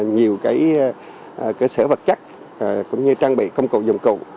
nhiều cơ sở vật chất cũng như trang bị công cụ dụng cụ